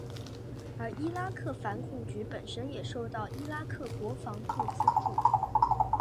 而伊拉克反恐局本身也受到伊拉克国防部资助。